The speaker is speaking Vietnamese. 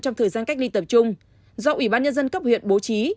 trong thời gian cách ly tập trung do ủy ban nhân dân cấp huyện bố trí